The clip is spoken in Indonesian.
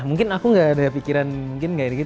mungkin aku gak ada pikiran mungkin gak ada gitu